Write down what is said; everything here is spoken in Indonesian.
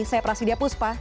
saya prasidya puspa